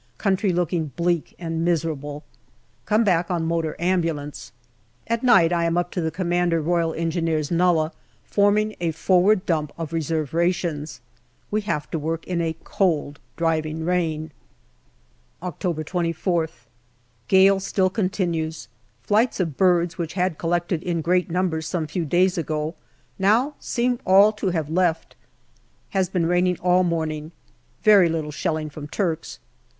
Country looking bleak and miserable. Come back on motor ambulance. At night I am up at the C.R.E. nullah forming a forward dump of reserve rations. We have to work in a cold, driving rain. October 24th. Gale still continues. Flights of birds, which had collected in great numbers some few days ago, now seem all to have left. Has been raining all morning. Very little shelling from Turks.